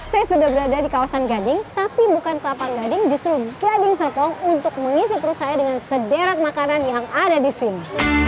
saya sudah berada di kawasan gading tapi bukan kelapa gading justru gading serpong untuk mengisi perut saya dengan sederet makanan yang ada di sini